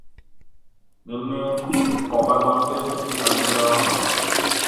নিম্নে কভারমাউন্টের একটি তালিকা দেওয়া হল।